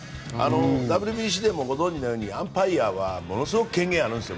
ＷＢＣでもご存じのようにアンパイアは権力あるんですよ。